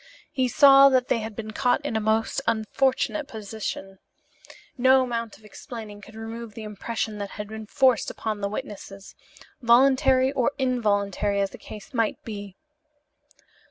He saw that they had been caught in a most unfortunate position. No amount of explaining could remove the impression that had been forced upon the witnesses, voluntary or involuntary as the case might be.